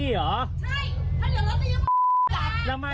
หมาดิมา